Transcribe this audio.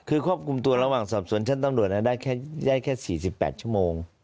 คือควบคุมตัวระหว่างสอบสวนชั้นตำรวจได้แค่๔๘ชั่วโมง